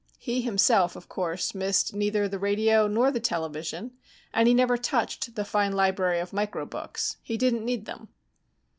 He himself, of course, missed neither the radio nor the television, and he never touched the fine library of micro books. He didn't need them.